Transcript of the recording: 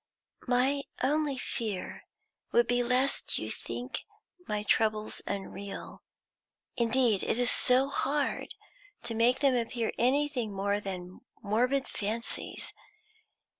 "My only fear would be lest you should think my troubles unreal. Indeed it is so hard to make them appear anything more than morbid fancies.